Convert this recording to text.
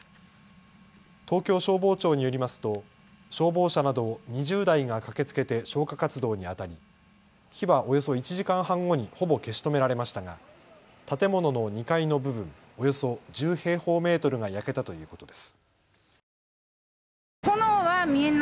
東京消防庁によりますと消防車など２０台が駆けつけて消火活動にあたり火はおよそ１時間半後にほぼ消し止められましたが建物の２階の部分、およそ１０平方メートルが焼けたということです。